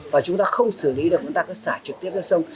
và chúng ta không xử lý được chúng ta cứ xả trực tiếp lên sông